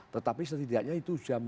tetapi setidaknya itu jaminan